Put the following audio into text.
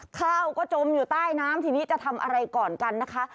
ข้าวก็จมอยู่ใต้น้ำทีนี้จะทำอะไรก่อนกันนะคะ